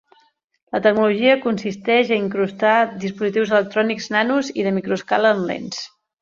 La tecnologia consisteix a incrustar dispositius electrònics nanos i de microescala en lents.